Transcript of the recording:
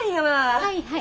はい。